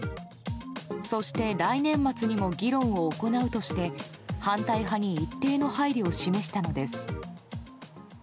そして、来年末にも議論を行うとして反対派に一定の配慮を示したのです。